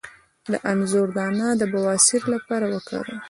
د انځر دانه د بواسیر لپاره وکاروئ